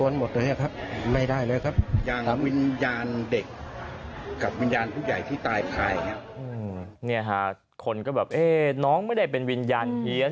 นี่ค่ะคนก็แบบน้องไม่ได้เป็นวิญญาณเฮียน